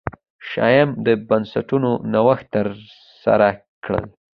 شیام د بنسټونو نوښت ترسره کړل.